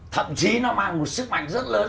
thậm chí nó mang một sức mạnh rất lớn